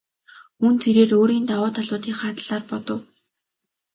Мөн тэрээр өөрийн давуу талуудынхаа талаар бодов.